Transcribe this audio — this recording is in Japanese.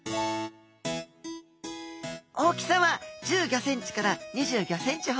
大きさは１５ｃｍから２５ｃｍほど。